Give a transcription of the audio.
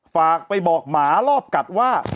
ฝากไปบอกหมารอบกัดว่า